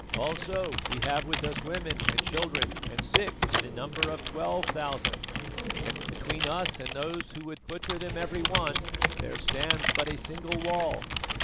Also we have with us women and children and sick to the number of twelve thousand, and between us and those who would butcher them every one there stands but a single wall.